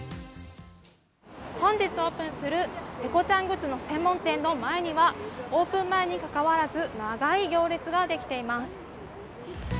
本日オープンするペコちゃんグッズの専門店の前には、オープン前にもかかわらず、長い行列が出来ています。